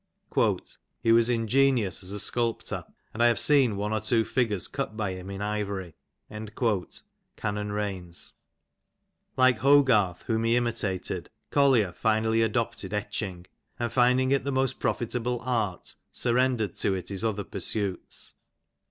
^' He was ingenious as a sculptor, and I have •' seen one or two figures cut by him in ivory*" (/?.)•^^^^ Hogarth, whom he imitated. Collier finally adopted etching, and finding it the most profitable art, surrendered to it his other pursuits.